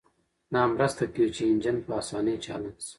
دا مرسته کوي چې انجن په اسانۍ چالان شي